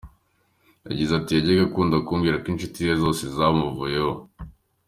Yagize ati “Yajyaga akunda kumbwira ko inshuti ze zose zamuvuyeho.